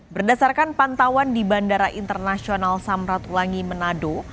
berdasarkan pantauan di bandara internasional samratulangi manado